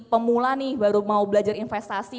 pemula nih baru mau belajar investasi